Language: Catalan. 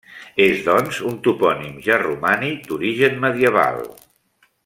És, doncs, un topònim ja romànic, d'origen medieval.